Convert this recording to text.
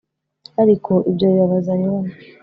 Ariko ibyo bibabaza Yona